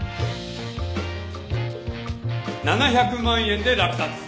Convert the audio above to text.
７００万円で落札。